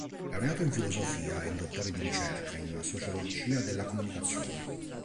Laureato in filosofia, è dottore di ricerca in sociologia della comunicazione.